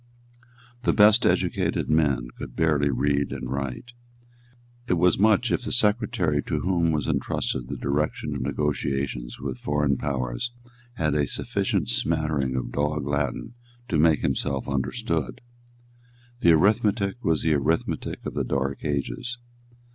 The best educated men could barely read and write. It was much if the secretary to whom was entrusted the direction of negotiations with foreign powers had a sufficient smattering of Dog Latin to make himself understood. The arithmetic was the arithmetic of the dark ages.